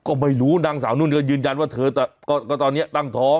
ก็ไม่รู้นางสาวนุ่นก็ยืนยันว่าเธอก็ตอนนี้ตั้งท้อง